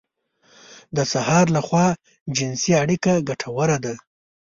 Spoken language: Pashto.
د سهار لخوا جنسي اړيکه ګټوره ده.